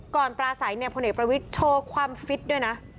ก่อนปลาสายเนี่ยพระเนกประวิทย์โชคความฟิตด้วยนะ